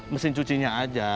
mesin cucinya aja